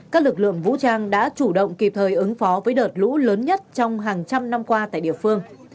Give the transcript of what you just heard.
các lực lượng vũ trang đã chủ động kịp thời ứng phó với đợt lũ lớn nhất trong hàng trăm năm qua tại địa phương